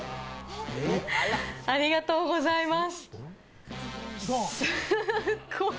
ありがとうございます。